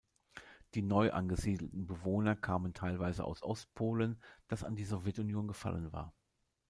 Die neu angesiedelten Bewohner kamen teilweise aus Ostpolen, das an die Sowjetunion gefallen war.